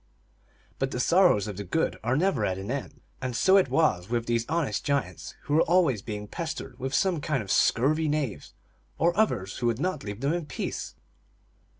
TALES OF MAGIC. 371 But the sorrows of the good are never at an end, and so it was with these honest giants, who were al ways being pestered with some kind of scurvy knaves or others who would not leave them in peace.